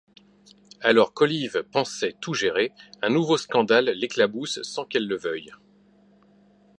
Alors qu'Olive pensait tout gérer, un nouveau scandale l'éclabousse sans qu'elle le veuille.